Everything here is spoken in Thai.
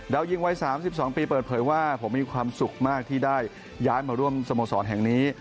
ยิงวัย๓๒ปีเปิดเผยว่าผมมีความสุขมากที่ได้ย้ายมาร่วมสโมสรแห่งนี้